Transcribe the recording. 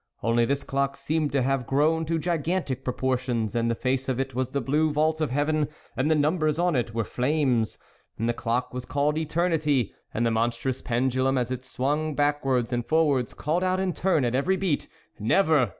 Only this clock seemed to have grown to gigantic proportions and the face of it was the blue vault of heaven, and the numbers on it were flames ; and the clock was called eternity, and the monstrous pendulum, as it swung back wards and forwards called out in turn at every beat :" Never